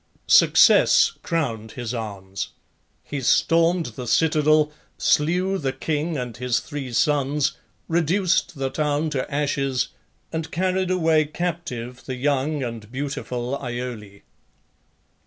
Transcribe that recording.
Success crowned his arms. He stormed the citadel, slew the king and his three sons, reduced the town to ashes, and carried away captive the young and beautiful Iole.